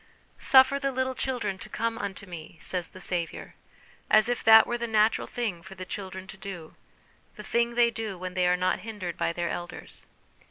"Suffer the little children to come 20 HOME EDUCATION unto Me," says the Saviour, as if that were the natural thing for the children to do, the thing they do when they are not hindered by their elders.